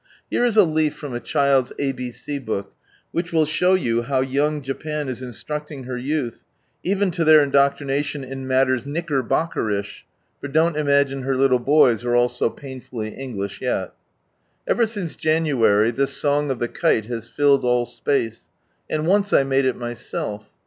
Here is a leaf from a child's a l,^/ Mm a chus , .4 a c />«■*. ABC book, which will show you how young Japan is instructing her yoi to iheir indoctrination in matters knickerbockerish, for don't imagine her little boys are all so painfully English yet. Ever since January this song of the kite has filled all space, and once I made it myself.